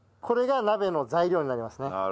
これが鍋の材料になりますね。